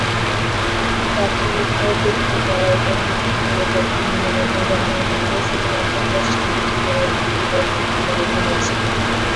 প্রাথমিকভাবে প্রতিটি গ্যালারিতে তিনটি করে কক্ষ নির্মাণের পরিকল্পনা থাকলেও শুধুমাত্র পশ্চিমের দুটি গ্যালারিতে দুটি করে কক্ষ নির্মিত হয়েছে।